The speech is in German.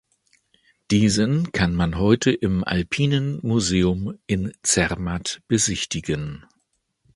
Diesen kann man heute im "Alpinen Museum" in Zermatt besichtigen.